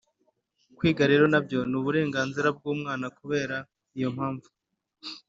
Kwiga rero na byo ni uburenganzira bw umwana Kubera iyo mpamvu